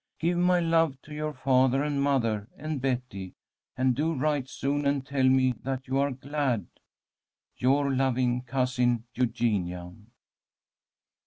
Give my love to your father and mother and Betty, and do write soon and tell me that you are glad. "'Your loving cousin, "'EUGENIA.'"